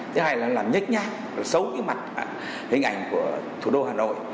thứ hai là làm nhích nhát là xấu cái mặt hình ảnh của thủ đô hà nội